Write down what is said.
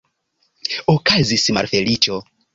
Okazis malfeliĉo!